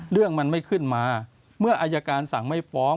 เรื่องมันไม่ขึ้นมาเมื่ออายการสั่งไม่ฟ้อง